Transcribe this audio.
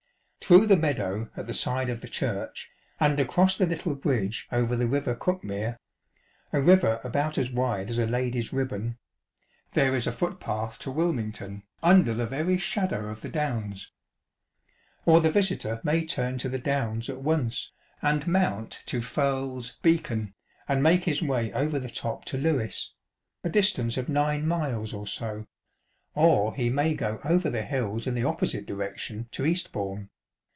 Through the meadow at the side of the church, and across the little bridge over the " River Cuckmere " ŌĆö a river about as wide as a lady's ribbon ŌĆö there is a foot path to Wilmington, under the very shadow of the Downs. Or the visitor may turn to the Downs at once, and mount to Firle's Beacon, and make his way over the top to Lewes ŌĆö a distance of nine miles or so ; or he 8o Field Paths ajid Green Lanes, ch. vi. may go over the hills in the opposite direction to East bourne.